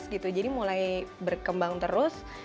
dua ratus gitu jadi mulai berkembang terus